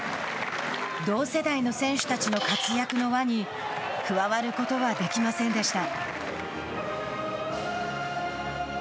同世代の選手たちの活躍の輪に加わることはできませんでした。